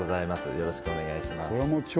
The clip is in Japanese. よろしくお願いします